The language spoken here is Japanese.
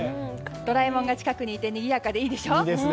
ドラえもんが近くにいてにぎやかで、いいでしょ。